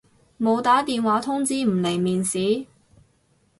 冇打電話通知唔嚟面試？